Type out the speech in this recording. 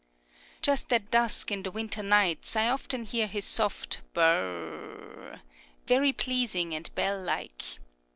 Just at dusk in the winter nights, I often hear his soft bur r r r, very pleasing and bell like.